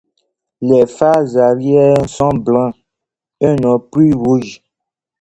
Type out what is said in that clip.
Les phares arrière sont blancs et non plus rouges.